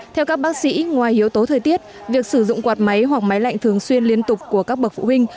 theo các bác sĩ ngoài yếu tố thời tiết việc sử dụng quạt máy hoặc máy lạnh thường xuyên liên tục của các bậc phụ huynh